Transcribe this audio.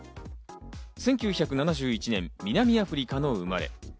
１９７１年、南アフリカの生まれ。